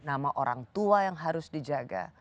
nama orang tua yang harus dijaga